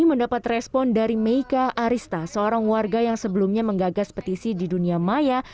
mendapat respon dari meika arista seorang warga yang sebelumnya menggagas petisi di dunia maya